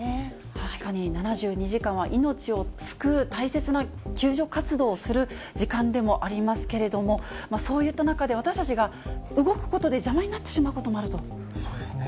確かに７２時間は命を救う大切な救助活動をする時間でもありますけれども、そういった中で私たちが動くことで邪魔になってしまうこともあるそうですね。